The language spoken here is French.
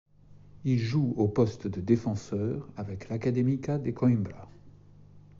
Il joue au poste de défenseur avec l'Académica de Coimbra.